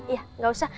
iya gak usah